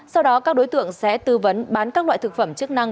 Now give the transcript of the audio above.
sau đó các đối tượng sẽ tư vấn bán các loại thực phẩm chức năng